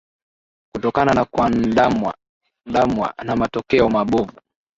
kutokana na kuandamwa na matokeo mabovu